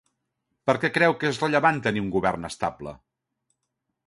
Per què creu que és rellevant tenir un govern estable?